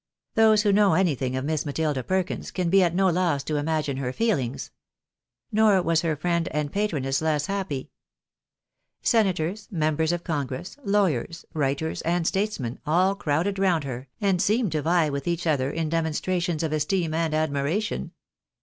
Those who know anything of Miss Matilda Perkins, can be at no loss to imagine her feelings. Nor was her friend and patroness less happy. Senators, members of congress, lawyers, writers, and statesmen, all crowded round her, and seemed to vie with each other in demonstrations of esteem and admiration.